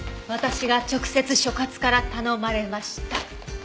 私が直接所轄から頼まれました。